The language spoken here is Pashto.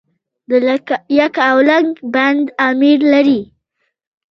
د یکاولنګ بند امیر لري